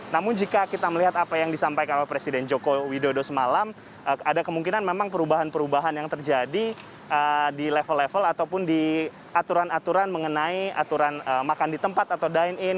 namun jika kita melihat apa yang disampaikan oleh presiden joko widodo semalam ada kemungkinan memang perubahan perubahan yang terjadi di level level ataupun di aturan aturan mengenai aturan makan di tempat atau dine in